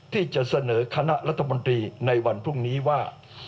ที่จะเสนอคณะรัฐมนตรีในวันพรุ่งนี้ว่า